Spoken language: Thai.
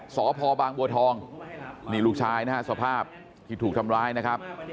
สพบางบัวทองนี่ลูกชายนะฮะสภาพที่ถูกทำร้ายนะครับ